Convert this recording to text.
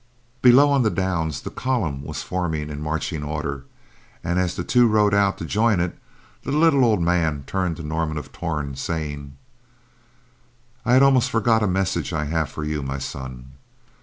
Below, on the downs, the column was forming in marching order, and as the two rode out to join it, the little old man turned to Norman of Torn, saying, "I had almost forgot a message I have for you, my son.